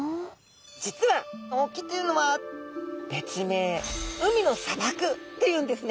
実は沖というのは別名「海の砂漠」っていうんですね。